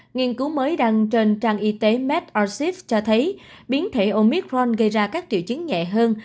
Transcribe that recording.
nghiên cứu mới đăng trên trang y tế mad aorif cho thấy biến thể omicron gây ra các triệu chứng nhẹ hơn